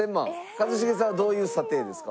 一茂さんはどういう査定ですか？